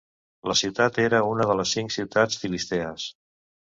La ciutat era una de les cinc ciutats filistees.